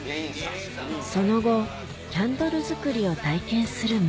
その後キャンドル作りを体験するも